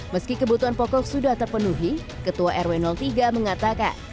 meski kebutuhan pokok sudah terpenuhi ketua rw tiga mengatakan